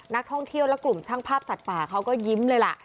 นักท่องเที่ยวและกลุ่มช่างภาพสัตว์ป่าเขาก็ยิ้มเลยล่ะ